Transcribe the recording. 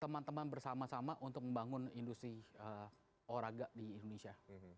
teman teman bersama sama untuk membangun industri olahraga di indonesia